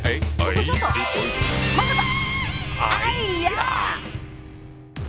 まさか。